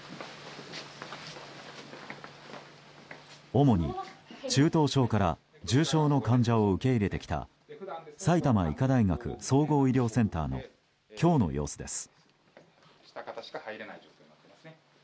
主に中等症から重症の患者を受け入れてきた埼玉医科大学総合医療センターの今日の様子です。